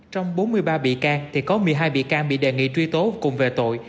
trong bốn mươi ba bị can thì có một mươi hai bị can bị đề nghị truy tố cùng về tội